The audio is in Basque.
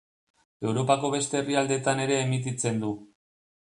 Europako beste herrialdetan ere emititzen du.